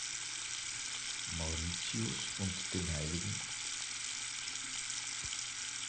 Mauritius und dem Hl.